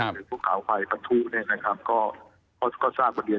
หรือภูเขาไฟประทุก็ทราบดี